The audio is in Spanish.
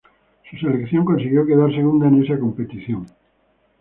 Su selección consiguió quedar segunda en esa competición.